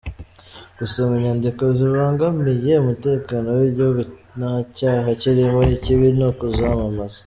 Gusoma inyandiko zibangamiye umutekano w’igihugu nta cyaha kirimo, ikibi ni ukuzamamaza